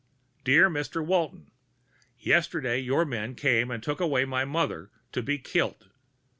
Dear Mr Walton, _Yesterday your men came and took away my mother to be kild.